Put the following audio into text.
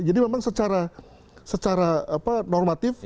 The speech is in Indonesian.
jadi memang secara normatif